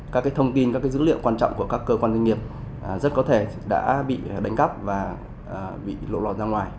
các thông tin các dữ liệu quan trọng của các cơ quan doanh nghiệp rất có thể đã bị đánh cắp và bị lộ lọt ra ngoài